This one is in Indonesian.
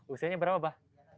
usianya berapa ba